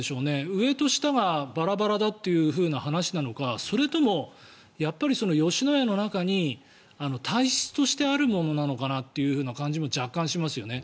上と下がバラバラだという話なのかそれともやっぱり吉野家の中に体質としてあるものなのかなって感じも若干しますよね。